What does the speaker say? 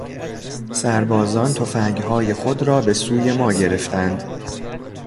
سربازان تفنگهای خود را به سوی ما گرفتند.